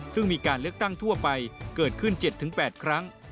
ซึ่งมีการเลือกตั้งทั่วไปเกิดขึ้น๗๘ครั้ง